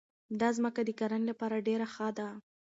دا ځمکه د کرنې لپاره ډېره ښه ده.